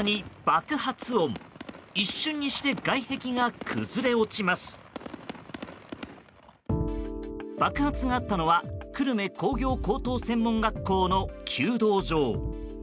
爆発があったのは久留米工業高等専門学校の弓道場。